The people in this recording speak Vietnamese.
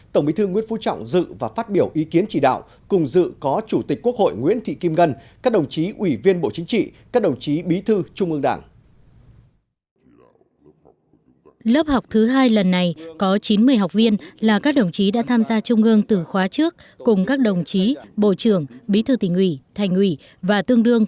tổng bí thư nguyễn phú trọng dự và phát biểu ý kiến chỉ đạo cùng dự có chủ tịch quốc hội nguyễn thị kim ngân các đồng chí ủy viên bộ chính trị các đồng chí bí thư trung ương đảng